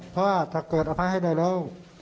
เพราะว่าถ้าเกิดอภัยให้ได้แล้ว